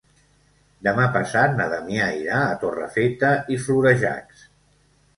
Demà passat na Damià irà a Torrefeta i Florejacs.